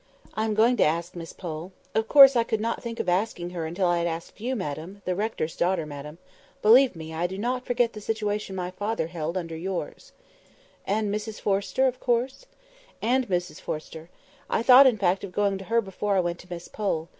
"I am going to ask Miss Pole. Of course, I could not think of asking her until I had asked you, madam—the rector's daughter, madam. Believe me, I do not forget the situation my father held under yours." "And Mrs Forrester, of course?" "And Mrs Forrester. I thought, in fact, of going to her before I went to Miss Pole.